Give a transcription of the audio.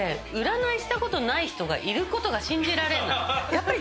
やっぱり。